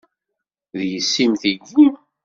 D yessi-m tigi?